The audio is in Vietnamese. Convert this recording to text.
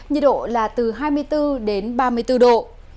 nhiệt độ là từ hai mươi bốn đến ba mươi bốn độ